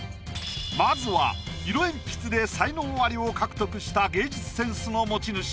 まずは色鉛筆で才能アリを獲得した芸術センスの持ち主